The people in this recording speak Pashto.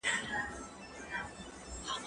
زه هره ورځ نان خورم.